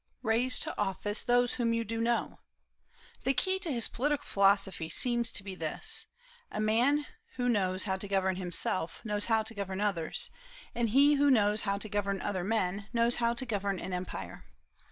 "Raise to office those whom you do know," The key to his political philosophy seems to be this: "A man who knows how to govern himself, knows how to govern others; and he who knows how to govern other men, knows how to govern an empire."